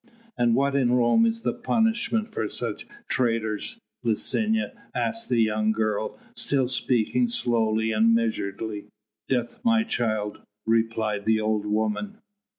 "And what in Rome is the punishment for such traitors, Licinia?" asked the young girl, still speaking slowly and measuredly. "Death, my child," replied the old woman.